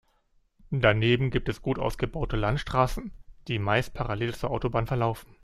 Daneben gibt es gut ausgebaute Landstraßen, die meist parallel zur Autobahn verlaufen.